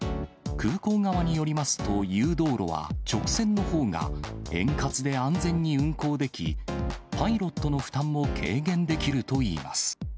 空港側によりますと、誘導路は直線のほうが円滑で安全に運航でき、パイロットの負担も軽減できるといいます。